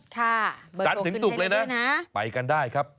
จันทร์ถึงศุกร์เลยนะไปกันได้ครับ